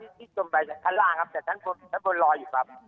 ที่จมไปชั้นล่างครับแต่ด้านบนด้านบนรออยู่ครับ